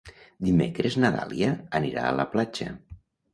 Dimecres na Dàlia anirà a la platja.